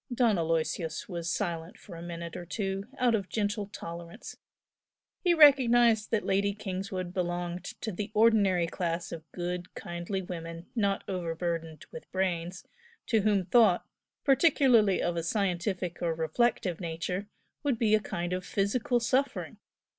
Don Aloysius was silent for a minute or two, out of gentle tolerance. He recognised that Lady Kingswood belonged to the ordinary class of good, kindly women not overburdened with brains, to whom thought, particularly of a scientific or reflective nature, would be a kind of physical suffering.